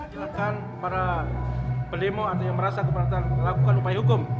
silakan para berdemo atau yang merasa keperluan lakukan upaya hukum